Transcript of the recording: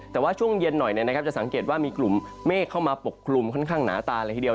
แต่ว่าช่วงเย็นหน่อยจะสังเกตว่ามีกลุ่มเมฆเข้ามาปกคลุมค่อนข้างหนาตาเลยทีเดียว